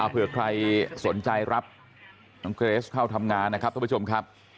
เผื่อใครสนใจรับน้องเกรสเข้าทำงานนะครับท่านผู้ชมครับ